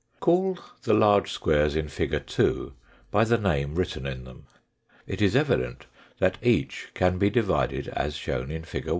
Call the large squares in fig. 2 by the name written in them. It is evident that each can be divided as shown in fig.